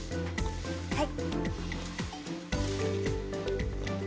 はい。